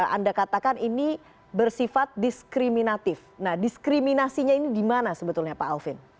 anda katakan ini bersifat diskriminatif nah diskriminasinya ini di mana sebetulnya pak alvin